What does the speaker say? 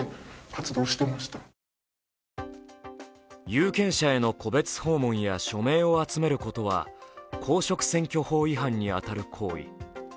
有識者への戸別訪問や署名を集めることは公職選挙法違反に当たる行為。